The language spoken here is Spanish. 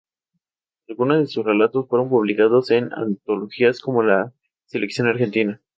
Algunos de sus relatos fueron publicados en antologías como "La selección argentina".